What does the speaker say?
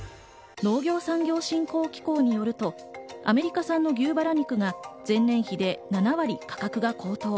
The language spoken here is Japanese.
農業産業振興機構によりますと、アメリカ産の牛バラ肉が前年比で７割価格が高騰。